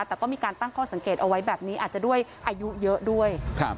แต่ก็มีการตั้งข้อสังเกตเอาไว้แบบนี้อาจจะด้วยอายุเยอะด้วย